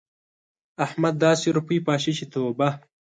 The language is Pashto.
احمد داسې روپۍ پاشي چې توبه!